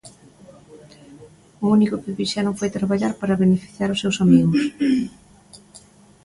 O único que fixeron foi traballar para beneficiar os seus amigos.